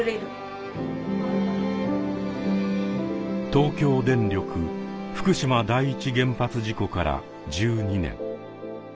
東京電力福島第一原発事故から１２年。